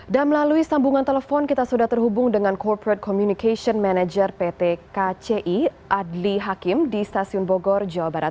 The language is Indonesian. dan melalui sambungan telepon kita sudah terhubung dengan corporate communication manager pt kci adli hakim di stasiun bogor jawa barat